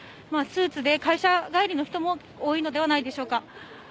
スーツで会社帰りの人も多いのではないでしょうか。